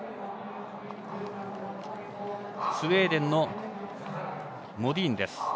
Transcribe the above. スウェーデンのモディーン。